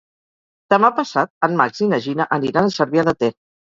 Demà passat en Max i na Gina aniran a Cervià de Ter.